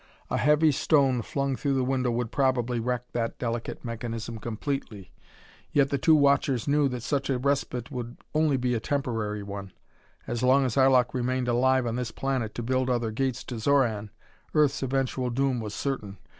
A heavy stone flung through the window would probably wreck that delicate mechanism completely, yet the two watchers knew that such a respite would be only a temporary one. As long as Arlok remained alive on this planet to build other gates to Xoran, Earth's eventual doom was certain.